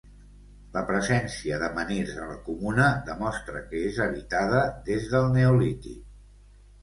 La presència de menhirs a la comuna demostra que és habitada des del neolític.